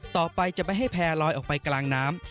ต่อไปจะไม่ให้แพร่ลอยออกไปกลางน้ำ